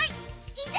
いざ